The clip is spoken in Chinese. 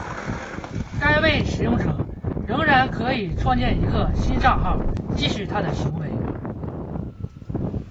该位使用者仍然可以创建一个新帐号继续他的行为。